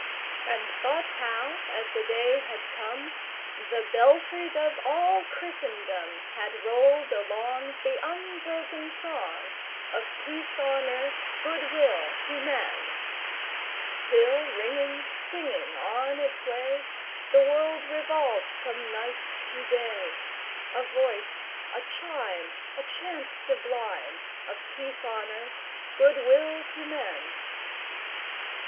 And thought how, as the day had come, The belfries of all Christendom Had rolled along The unbroken song Of peace on earth, good will to men! Till, ringing, singing on its way, The world revolved from night to day, A voice, a chime, A chant sublime Of peace on earth, good will to men!